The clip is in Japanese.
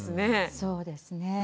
そうですね。